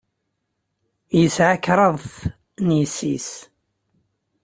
Yesɛa kraḍt n yessi-s.